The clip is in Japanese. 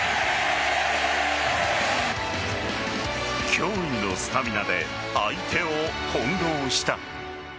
驚異のスタミナで相手を翻弄した。